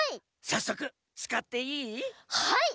さっそくつかっていい？